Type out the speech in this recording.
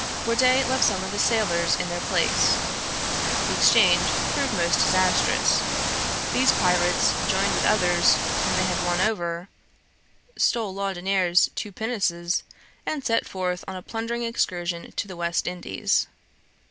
Bourdet left some of his sailors in their place. The exchange proved most disastrous. These pirates joined with others whom they had won over, stole Laudonniere's two pinnaces, and set forth on a plundering excursion to the West Indies.